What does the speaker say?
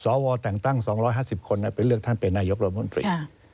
สวแต่งตั้ง๒๕๐คนไปเลือกท่านเป็นนายกรัฐมนตรี